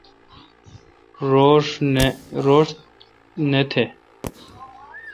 روݭ تہ نہ۔